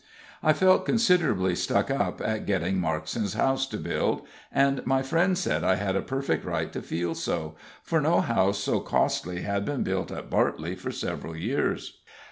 I felt considerably stuck up at getting Markson's house to build, and my friends said I had a perfect right to feel so, for no house so costly had been built at Bartley for several years.